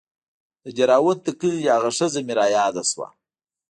د دهروات د کلي هغه ښځه مې راياده سوه.